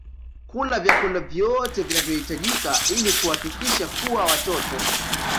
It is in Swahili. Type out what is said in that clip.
kula vyakula vyote vinavyohitajika ili kuhakikisha kuwa watoto